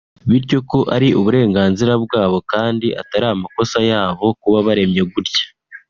bityo ko ari uburenganzira bwabo kandi atari amakosa yabo kuba baremye gutya